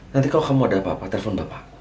nanti kalau kamu ada apa apa telepon bapak